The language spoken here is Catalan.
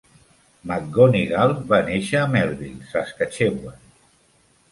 McGonigal va néixer a Melville, Saskatchewan.